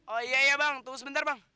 oh iya iya bang tunggu sebentar bang